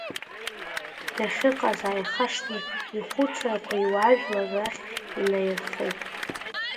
Дахьыҟаз ааихашҭны ихәыцрақәа иуаажәлар рахь инаирхеит.